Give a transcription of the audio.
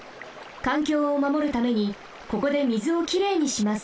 かんきょうをまもるためにここで水をきれいにします。